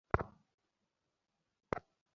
Deal okay, Rajangam sir.